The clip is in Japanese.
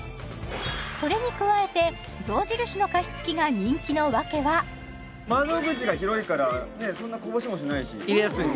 それに加えて象印の加湿器が人気のわけは窓口が広いからそんなこぼしもしないし入れやすいね